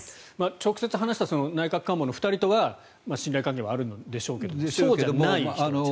直接話した内閣官房の２人とは信頼関係はあるんでしょうけどそうじゃない人たちですよね。